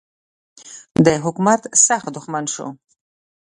د حکومت سخت دښمن سو.